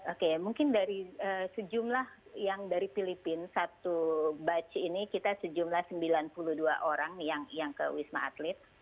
oke mungkin dari sejumlah yang dari filipina satu batch ini kita sejumlah sembilan puluh dua orang yang ke wisma atlet